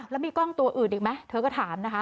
แล้วมีกล้องตัวอื่นอีกไหมเธอก็ถามนะคะ